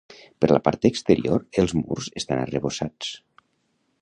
Per la part exterior, els murs estan arrebossats.